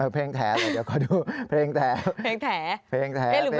เพลงแท๋หรือไม่ต้องใช้เพลง